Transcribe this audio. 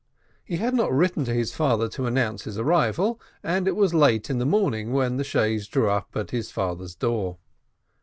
He had not written to his father to announce his arrival, and it was late in the morning when the chaise drew up at his father's door.